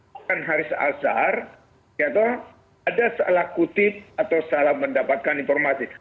bukan aris azhar ya toh ada salah kutip atau salah mendapatkan informasi